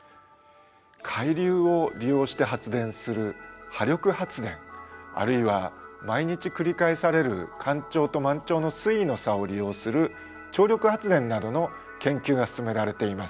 海流を利用して発電する「波力発電」あるいは毎日繰り返される干潮と満潮の水位の差を利用する「潮力発電」などの研究が進められています。